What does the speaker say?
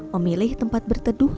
memilih tempat berteduh